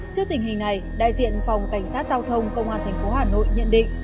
trước tình hình này đại diện phòng cảnh sát giao thông công an tp hà nội nhận định